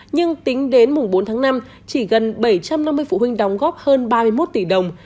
nhưng tính đến bốn tháng năm chỉ gần bảy trăm năm mươi phụ huynh đóng góp hơn ba mươi một tỷ đồng